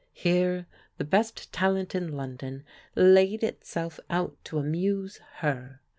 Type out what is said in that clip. Here the best talent in London laid itself out to amuse her.